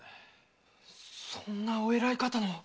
そんなお偉い方の⁉